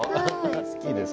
好きですか？